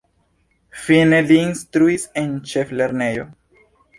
Fine li instruis en ĉeflernejo.